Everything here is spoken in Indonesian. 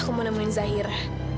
aku mau nemuin zahira